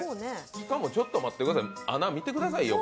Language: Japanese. しかもちょっと待って、穴を見てくださいよ。